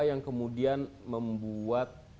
yang kemudian membuat